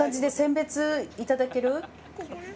餞別いただける？